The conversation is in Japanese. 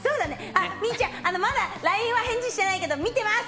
みぃちゃん、まだＬＩＮＥは返事してないけど、見てます。